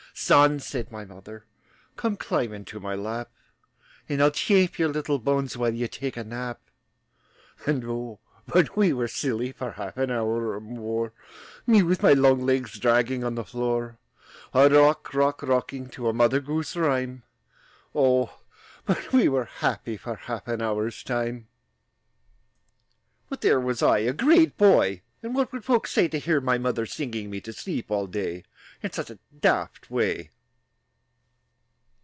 "Son," said my mother, "Come, climb into my lap, And I'll chafe your little bones While you take a nap." And, oh, but we were silly For half an hour or more, Me with my long legs Dragging on the floor, A rock rock rocking To a mother goose rhyme! Oh, but we were happy For half an hour's time! But there was I, a great boy, And what would folks say To hear my mother singing me To sleep all day, In such a daft way?